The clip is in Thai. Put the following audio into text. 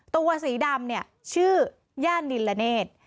ตัวสีดำชื่อแย่นิลเนท